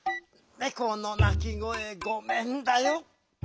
「ねこのなきごえごめんだよ」